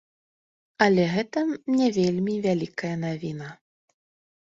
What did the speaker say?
Але гэта не вельмі вялікая навіна.